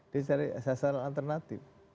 dia cari sasaran alternatif